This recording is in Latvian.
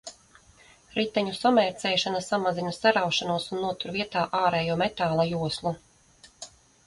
Riteņu samērcēšana samazina saraušanos un notur vietā ārējo metāla joslu.